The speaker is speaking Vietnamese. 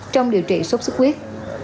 trong điều trị sốt sức huyết